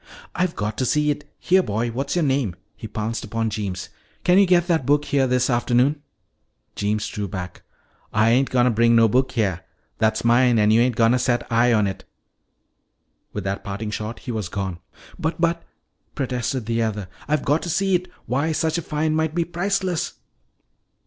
"I've got to see it! Here, boy, what's your name?" He pounced upon Jeems. "Can you get that book here this afternoon?" Jeems drew back. "Ah ain't gonna bring no book heah. That's mine an' you ain't gonna set eye on it!" With that parting shot he was gone. "But but " protested the other, "I've got to see it. Why, such a find might be priceless."